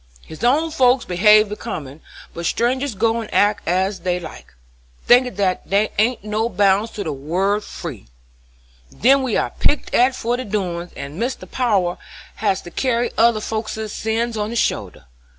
His own folks behave becomin', but strangers go and act as they like, thinkin' that there ain't no bounds to the word free. Then we are picked at for their doin's, and Mr. Power has to carry other folkses' sins on his shoulders.